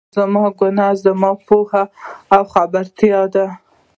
خو زما ګناه، زما پوهه او خبرتيا ده.